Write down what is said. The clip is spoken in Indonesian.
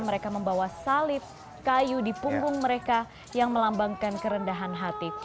mereka membawa salib kayu di punggung mereka yang melambangkan kerendahan hati